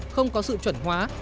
không có sự chuẩn hóa